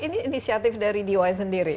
ini inisiatif dari di sendiri